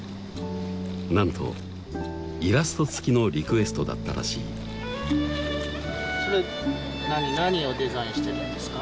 なんとイラスト付きのリクエストだったらしいそれ何をデザインしてたんですか？